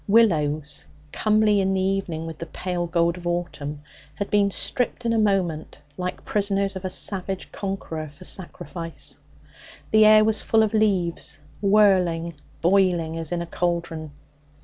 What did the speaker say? Willows, comely in the evening with the pale gold of autumn, had been stripped in a moment like prisoners of a savage conqueror for sacrifice. The air was full of leaves, whirling, boiling, as in a cauldron.